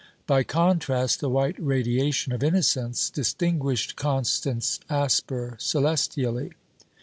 By contrast, the white radiation of Innocence distinguished Constance Asper celestially.